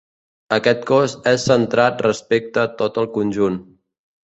Aquest cos és centrat respecte a tot el conjunt.